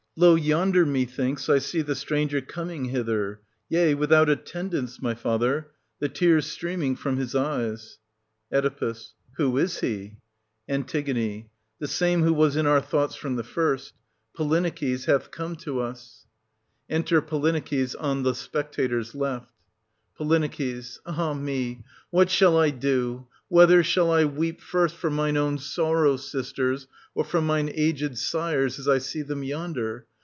Lo, yonder, methinks, I see the stranger coming hither, — yea, without attendants, my father, — 1250 the tears streaming from his eyes. Oe. Who is he? An. The same who was in our thoughts from the first ;— Polyneices hath come to us. io6 SOPHOCLES. [1254— 1281 Enter POLYNEICES, on the spectators^ left, Po. Ah me, what shall I do? Whether shall I weep first for mine own sorrows, sisters, or for mine aged sire's, as I see them yonder